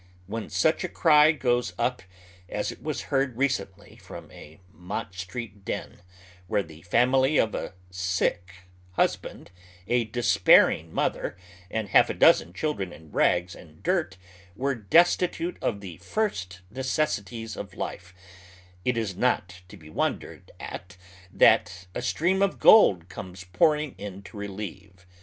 When such a cry goes up as was heard recent ly from a Mott Street den, where the family of a "sick" Iiuaband, a despairing mother, and half a dozen children in rags and dirt were destitute of tlie " first necessities of life," it is not to be wondered at that a stream of gold comes pouring in to relieve.